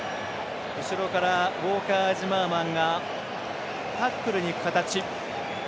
後ろからウォーカー・ジマーマンがタックルにいく形。